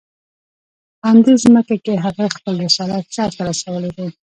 په همدې ځمکه کې هغه خپل رسالت سر ته رسولی دی.